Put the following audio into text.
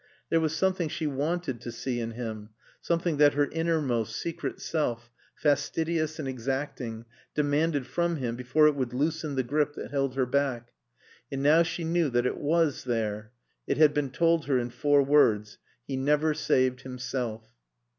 There was something she wanted to see in him; something that her innermost secret self, fastidious and exacting, demanded from him before it would loosen the grip that held her back. And now she knew that it was there. It had been told her in four words: "He never saved himself."